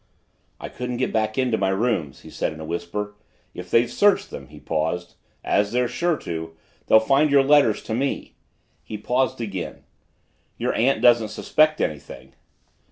"I couldn't get back to my rooms," he said in a whisper. "If they've searched them," he paused, "as they're sure to they'll find your letters to me." He paused again. "Your aunt doesn't suspect anything?"